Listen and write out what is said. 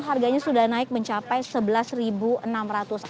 harganya sudah naik mencapai sebelas enam ratus rupiah